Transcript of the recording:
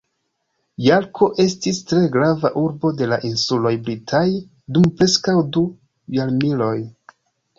Jorko estis tre grava urbo de la insuloj britaj dum preskaŭ du jarmiloj.